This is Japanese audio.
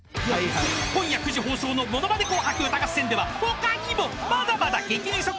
［今夜９時放送の『ものまね紅白歌合戦』では他にもまだまだ］